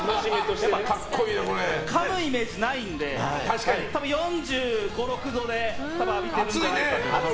かむイメージないので多分、４５４６度で浴びてますね。